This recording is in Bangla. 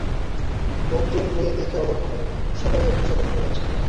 নতুন মেয়ে দেখে অবাক হলাম, সবাই এখন সতর্ক হয়ে আছে।